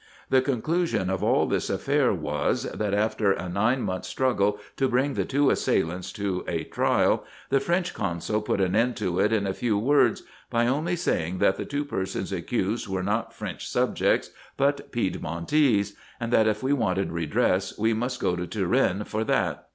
The conclusion of all this affair was, that after a nine months' struggle to bring the two assailants to a trial, the French consul put an end to it in a few words, by only saying, that the two persons accused were not French subjects, but Pied montese ; and that if we wanted redress, we must go to Turin for it.